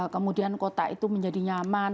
kemudian kota itu menjadi nyaman